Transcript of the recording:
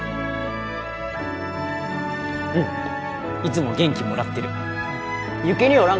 うんいつも元気もらってる有起兄おら